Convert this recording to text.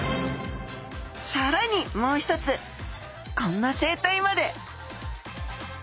もう一つこんな生態まで！